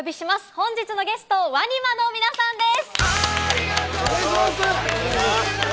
本日のゲスト、ＷＡＮＩＭＡの皆さんです。